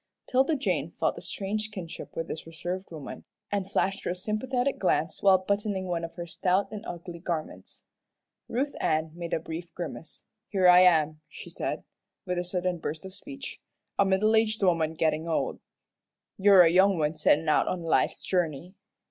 'Tilda Jane felt a strange kinship with this reserved woman, and flashed her a sympathetic glance while buttoning one of her stout and ugly garments. Ruth Ann made a brief grimace. "Here I am," she said, with a sudden burst of speech, "a middle aged woman gettin' old. You're a young one settin' out on life's journey.